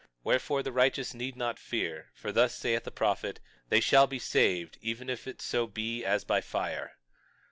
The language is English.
Wherefore, the righteous need not fear; for thus saith the prophet, they shall be saved, even if it so be as by fire.